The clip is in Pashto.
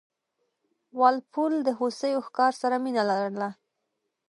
وال پول د هوسیو ښکار سره مینه لرله.